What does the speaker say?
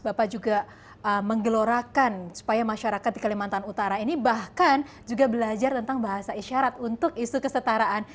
bapak juga menggelorakan supaya masyarakat di kalimantan utara ini bahkan juga belajar tentang bahasa isyarat untuk isu kesetaraan